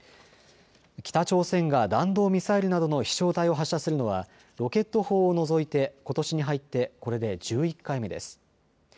北朝鮮が弾道ミサイルなどの飛しょう体を発射するのはロケット砲を除いてことしに入ってこれで１１回目です。